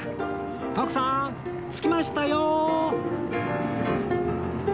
徳さん着きましたよ！